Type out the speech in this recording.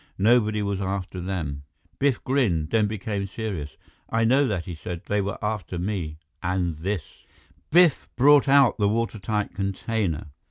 Nobody was after them." Biff grinned, then became serious. "I know that," he said. "They were after me and this." Biff brought out the watertight container.